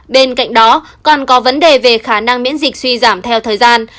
bên cạnh đó còn có vấn đề về khả năng miễn dịch suy giảm theo thời gian